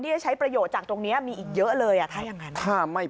เนี่ยใช้ประโยชน์จากตรงนี้มีอีกเยอะเลยอ่ะถ้าอย่างนั้นค่ะถ้าไม่